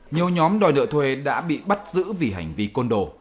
nhiều nhóm đòi nợ thuê đã bị bắt giữ vì hành vi côn đồ